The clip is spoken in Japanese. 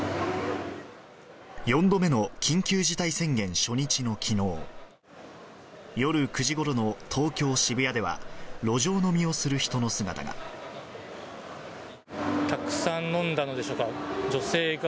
４度目の緊急事態宣言初日のきのう、夜９時ごろの東京・渋谷では、路上飲みをする人の姿が。